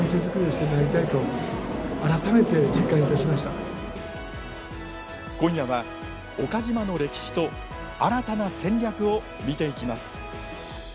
やはり今夜は岡島の歴史と新たな戦略を見ていきます。